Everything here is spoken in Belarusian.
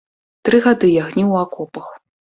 Тры гады я гніў у акопах.